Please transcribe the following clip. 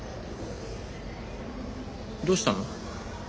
どうしたの？